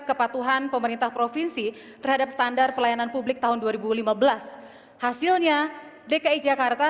kepatuhan pemerintah provinsi terhadap standar pelayanan publik tahun dua ribu lima belas hasilnya dki jakarta